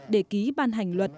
để ký ban hành luật